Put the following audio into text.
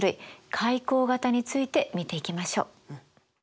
海溝型について見ていきましょう。